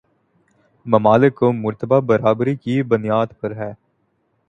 ممالک کو مرتبہ برابری کی بنیاد پر ہے